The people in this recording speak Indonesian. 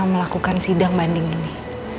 melakukan sidang banding ini